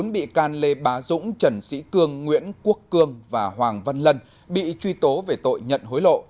bốn bị can lê bá dũng trần sĩ cương nguyễn quốc cương và hoàng văn lân bị truy tố về tội nhận hối lộ